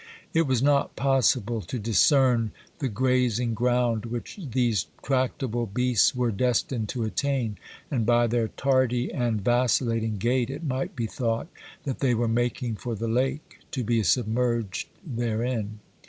It was not possible to discern the grazing ground which these tractable beasts were destined to attain, and by their tardy and vacillating gait it might be thought that they were making for the lake, to be submerged therein.